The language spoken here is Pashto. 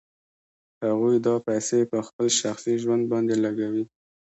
هغوی دا پیسې په خپل شخصي ژوند باندې لګوي